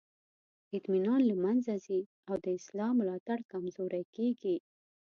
اطمینان له منځه ځي او د اصلاح ملاتړ کمزوری کیږي.